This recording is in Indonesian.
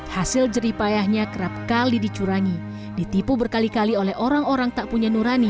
hasil jeripayahnya kerap kali dicurangi ditipu berkali kali oleh orang orang tak punya nurani